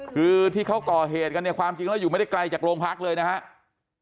คือที่เขาก่อเหตุกันเนี่ยความจริงแล้วอยู่ไม่ได้ไกลจากโรงพักเลยนะครับ